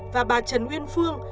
và bà trần nguyên phương